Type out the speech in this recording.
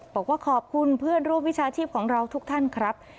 บอกว่าขอบคุณเพื่อนร่วมวิชาชีพของเราทุกท่านครับ